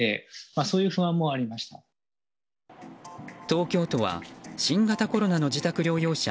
東京都は新型コロナの自宅療養者